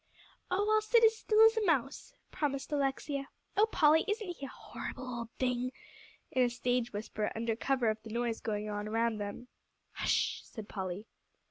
"Oh, I'll sit as still as a mouse," promised Alexia. "Oh Polly, isn't he a horrible old thing!" in a stage whisper under cover of the noise going on around them. "Hush," said Polly.